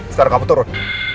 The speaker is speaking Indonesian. sekarang kamu turun